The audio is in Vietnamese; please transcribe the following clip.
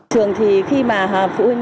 trường thì khi mà phụ huynh